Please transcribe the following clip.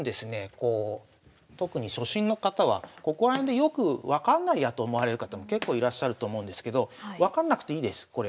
こう特に初心の方はここら辺でよく分かんないやと思われる方も結構いらっしゃると思うんですけど分かんなくていいですこれ。